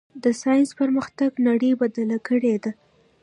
د ساینس پرمختګ نړۍ بدله کړې ده.